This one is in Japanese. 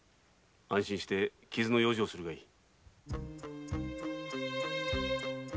安心して傷の養生をするがいい。